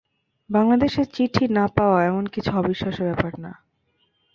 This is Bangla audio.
বাংলাদেশে চিঠি না-পাওয়া এমন কিছু অবিশ্বাস্য ব্যাপার না!